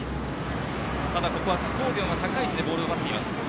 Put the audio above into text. ただ、ここは津工業が高い位置でボールを奪っています。